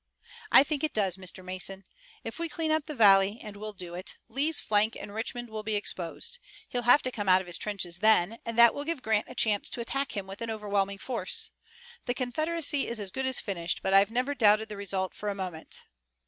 "I think it does, Mr. Mason. If we clean up the valley, and we'll do it, Lee's flank and Richmond will be exposed. He'll have to come out of his trenches then, and that will give Grant a chance to attack him with an overwhelming force. The Confederacy is as good as finished, but I've never doubted the result for a moment."